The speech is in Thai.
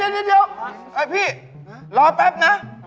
เฮ้ยเดี๋ยวเดี๋ยวยี่พี่รอแป๊บนะไหนละ